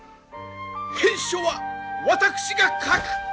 返書は私が書く！